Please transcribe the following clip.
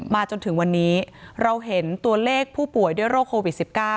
จนถึงวันนี้เราเห็นตัวเลขผู้ป่วยด้วยโรคโควิด๑๙